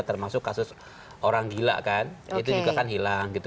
termasuk kasus orang gila kan itu juga kan hilang gitu